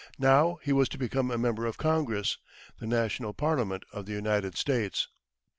Now he was to become a Member of Congress, the national Parliament of the United States.